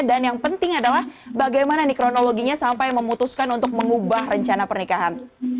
dan yang penting adalah bagaimana kronologinya sampai memutuskan untuk mengubah rencana pernikahan